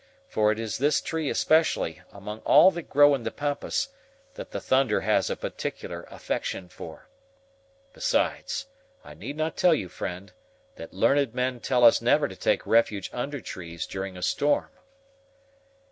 For it is this tree especially, among all that grow in the Pampas, that the thunder has a particular affection for. Besides, I need not tell you, friend, that learned men tell us never to take refuge under trees during a storm."